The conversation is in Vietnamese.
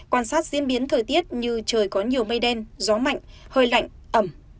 quan sát diễn biến thời tiết như trời có nhiều mây đen gió mạnh hơi lạnh ẩm